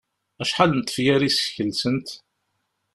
Acḥal n tefyar i skelsent?